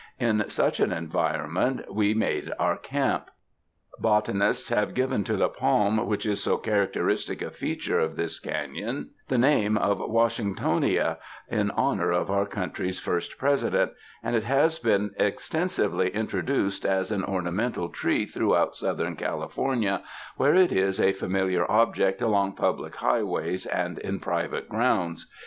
In such an environment we made our camp. Botanists have given to the palm which is so char acteristic a feature of this canon, the name of Washingtonia, in honor of our country's first Presi dent, and it has been extensively introduced as an 36 THE DESEBTS ornamental tree throughout Southern California where it is a familiar object along public highways and in private grounds.